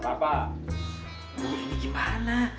bos ya begitu bagus ini